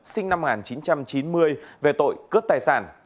sinh năm một nghìn chín trăm chín mươi về tội cướp tài sản